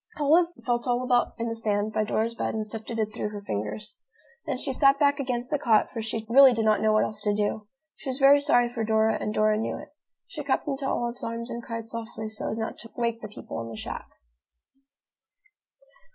Olive felt all about in the sand by Dora's bed and sifted it through her fingers. Then she sat back against the cot, for she really did not know what else to do. She was very sorry for Dora, and Dora knew it. She crept into Olive's arms and cried softly, so as not to wake the people in the shack.